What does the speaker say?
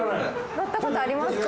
乗ったことありますか？